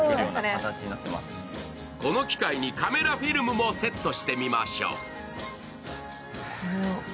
この機会にカメラフィルムもセットしてみましょう。